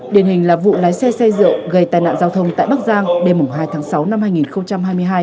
điển hình là vụ lái xe xay rượu gây tai nạn giao thông tại bắc giang đêm hai tháng sáu năm hai nghìn hai mươi hai